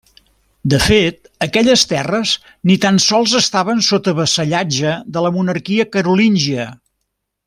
De fet aquelles terres ni tan sols estaven sota vassallatge de la monarquia carolíngia.